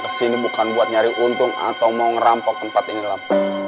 kesini bukan buat nyari untung atau mau ngerampok tempat ini lah